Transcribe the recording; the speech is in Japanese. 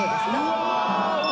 うわ